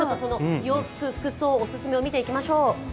服装、おすすめを見ていきましょう。